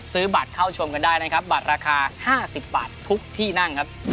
ซื้อบัตรเข้าชมกันได้นะครับบัตรราคา๕๐บาททุกที่นั่งครับ